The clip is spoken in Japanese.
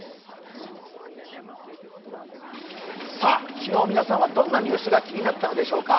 昨日、皆さんはどんなニュースが気になったのでしょうか？